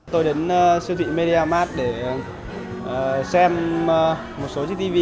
tôi đến siêu thị media mart để xem một số chiếc tv